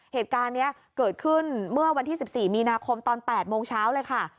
เหตุการณ์นี้เกิดขึ้นเมื่อวันที่๑๔มีนาคมตอน๘โมงเช้าเลยค่ะ